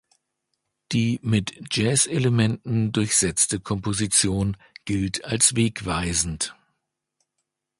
Die mit Jazz-Elementen durchsetzte Komposition gilt als wegweisend.